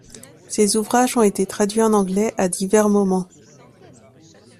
Ces ouvrages ont été traduits en anglais à diverses moments.